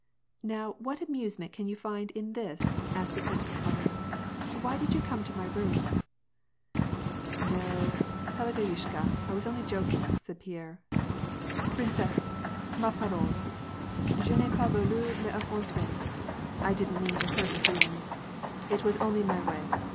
'^ Now what amusement can you find in this ?" asked the Princess Mariya. " Why did you come to my room ?" "No, Pelageyushka, I was only joking,'' said Pierre. '^Princesse, ma parole, je n^ai pas vaulu Vqffenser — I didn't mean to hurt her feelings. It was only my way.